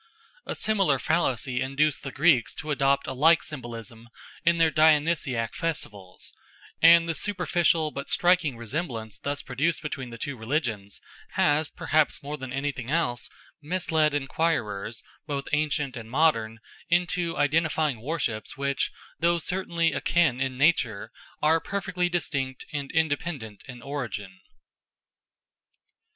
A similar fallacy induced the Greeks to adopt a like symbolism in their Dionysiac festivals, and the superficial but striking resemblance thus produced between the two religions has perhaps more than anything else misled enquirers, both ancient and modern, into identifying worships which, though certainly akin in nature, are perfectly distinct and independent in origin.